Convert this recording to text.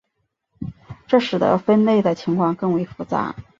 这使得分类的情况更为复杂。